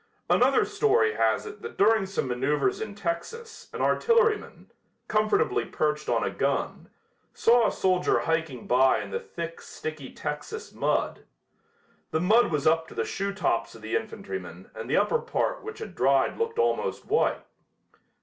Another story has it that during some maneuvers in Texas an artilleryman, comfortably perched on a gun, saw a soldier hiking by in the thick sticky Texas mud. The mud was up to the shoetops of the infantryman and the upper part which had dried looked almost white.